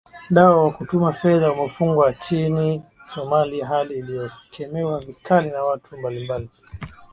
dao wa kutuma fedha umefungwa nchini somalia hali iliyokemewa vikali na watu mbalimbali